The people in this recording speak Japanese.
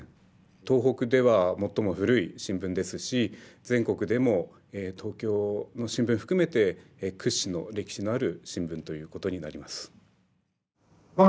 東北では最も古い新聞ですし全国でも東京の新聞含めて屈指の歴史のある新聞ということになります。